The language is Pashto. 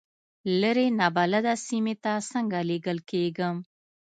لرې نابلده سیمې ته څنګه لېږل کېږم.